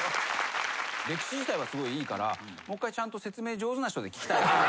歴史自体はすごいいいからもう１回ちゃんと説明上手な人で聞きたい。